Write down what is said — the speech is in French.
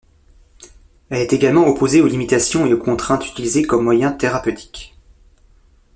Elle est également opposée aux limitations et aux contraintes utilisées comme moyen thérapeutique.